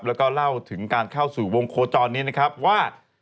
แล้วก็เล่าถึงการเข้าสู่วงโคจรนี้นะครับว่า